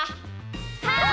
はい！